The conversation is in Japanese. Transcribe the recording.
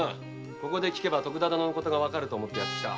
ここなら徳田殿のことがわかると思いやって来た。